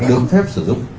được phép sử dụng